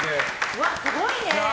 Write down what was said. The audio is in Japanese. うわあ、すごいね！